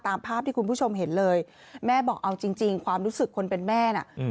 ตามภาพที่คุณผู้ชมเห็นเลยแม่บอกเอาจริงจริงความรู้สึกคนเป็นแม่น่ะ